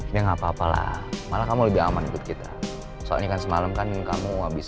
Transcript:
ya nggak apa apalah malah kamu lebih aman ikut kita soalnya kan semalam kan kamu abis